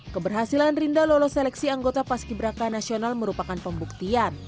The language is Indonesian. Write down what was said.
keberhasilan rinda lolos seleksi anggota paski beraka nasional merupakan pembuktian